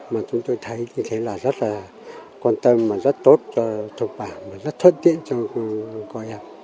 mà chúng tôi thấy như thế là rất là quan tâm rất tốt cho thực phẩm rất thuận tiện cho con em